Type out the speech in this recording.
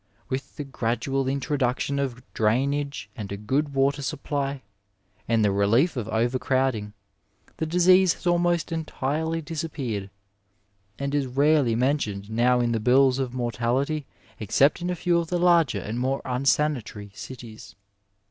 With the gradual introduction of drainage and a good water supply, and the relief of overcrowding, the disease has almost entirely disappeared, and is rarely mentioned now in the bills of mortality, except in a few of the larger and more unsanitary cities.